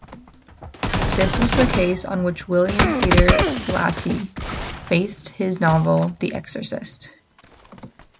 This was the case on which William Peter Blatty based his novel "The Exorcist".